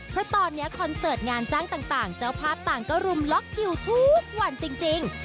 เพราะตอนนี้คอนเสิร์ตงานจ้างต่างเจ้าภาพต่างก็รุมล็อกคิวทุกวันจริง